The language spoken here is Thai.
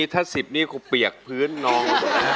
ถ้า๑๐นี่กูเปียกพื้นน้อง